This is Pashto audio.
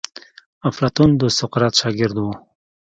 افلاطون د سقراط شاګرد وو.